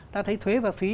ta thấy thuế và phí